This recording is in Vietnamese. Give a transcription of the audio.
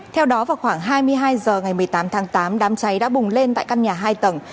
theo đó vào khoảng hai mươi hai h ngày một mươi tám tháng tám đám cháy đã bùng lên tại căn nhà hai tầng